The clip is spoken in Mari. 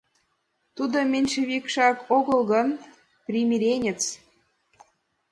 — Тудо меньшевикшак огыл гын, примиренец.